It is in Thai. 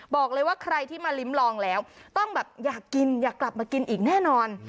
บอกเลยว่าใครที่มาลิ้มลองแล้วต้องแบบอยากกินอยากกลับมากินอีกแน่นอน